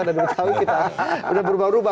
dan kita tahu kita sudah berubah ubah